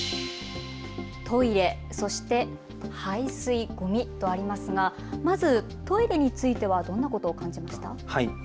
トイレ、そして排水、ごみとありますがまずトイレについてはどんなことがありますか。